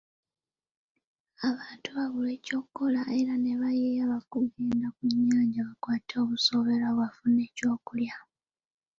Abantu baabulwa eky’okulya era ne bayiiya okugenda ku nnyanja bakwate obusowera bafune eky’okulya.